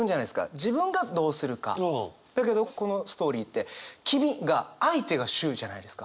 自分がどうするか。だけどこのストーリーって「君」が相手が主じゃないですか。